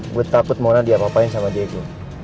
gue takut mona diam apa apain sama diego